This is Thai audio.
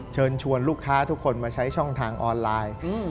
เชิญชวนลูกค้าทุกคนมาใช้ช่องทางออนไลน์